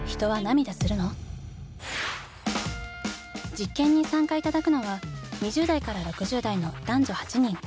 実験に参加頂くのは２０代から６０代の男女８人。